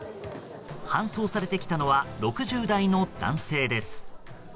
搬送されてきたのは６０代の男性です。